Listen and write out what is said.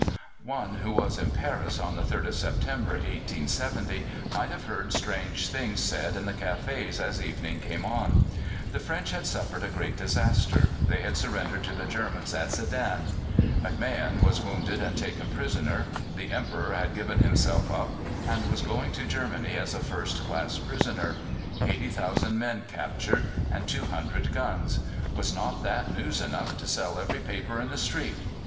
One who was in Paris on the 3rd of September, 1870, might have heard strange things said in the cafés as evening came on. The French had suffered a great disaster; they had surrendered to the Germans at Sedan! MacMahon was wounded and taken prisoner; the Emperor had given himself up, and was going to Germany as a first class prisoner; 80,000 men captured, and 200 guns. Was not that news enough to sell every paper in the street?